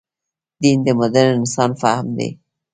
دین د مډرن انسان فهم نه دی.